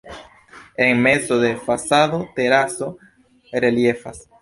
En mezo de fasado teraso reliefas.